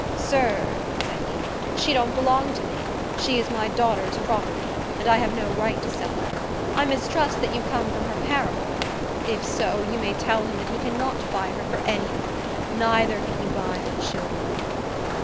"Sir," said he, "she don't belong to me. She is my daughter's property, and I have no right to sell her. I mistrust that you come from her paramour. If so, you may tell him that he cannot buy her for any money; neither can he buy her children."